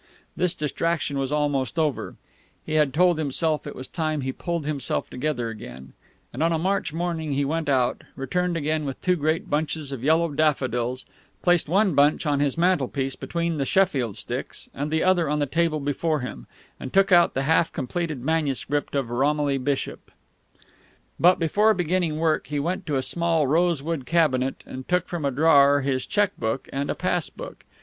This distraction was almost over; he told himself it was time he pulled himself together again; and on a March morning he went out, returned again with two great bunches of yellow daffodils, placed one bunch on his mantelpiece between the Sheffield sticks and the other on the table before him, and took out the half completed manuscript of Romilly Bishop. But before beginning work he went to a small rosewood cabinet and took from a drawer his cheque book and pass book.